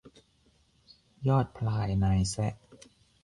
ยอดพลายนายแซะ